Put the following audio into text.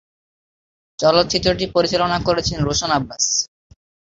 চলচ্চিত্রটি পরিচালনা করেছেন রোশন আব্বাস।